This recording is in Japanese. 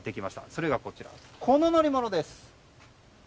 それが、この乗り物です。